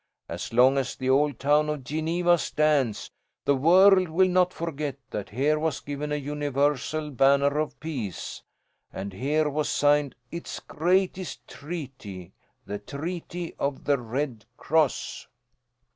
As long as the old town of Geneva stands, the world will not forget that here was given a universal banner of peace, and here was signed its greatest treaty the treaty of the Red Cross."